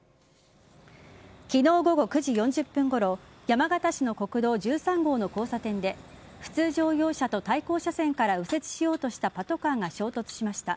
昨日午後９時４０分ごろ山形市の国道１３号の交差点で普通乗用車と対向車線から右折しようとしたパトカーが衝突しました。